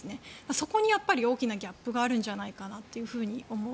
そこに大きなギャップがあるんじゃないかなと思う。